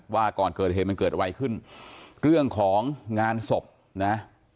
ว่าก่อนเกิดเหตุมันเกิดอะไรขึ้นเรื่องของงานศพนะ